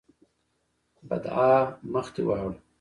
بدعا: مخ دې واوړه!